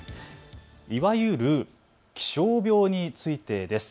いわゆる気象病についてです。